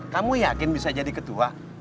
kamu yakin bisa jadi ketua